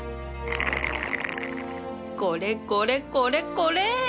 これこれこれこれ